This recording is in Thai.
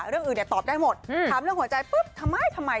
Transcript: เรื่องอื่นเนี่ยตอบได้หมดถามเรื่องหัวใจปุ๊บทำไมทำไม